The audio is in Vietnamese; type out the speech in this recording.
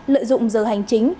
lợi dụng giờ hành chính